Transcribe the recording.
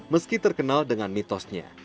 meski terkenal dengan mitosnya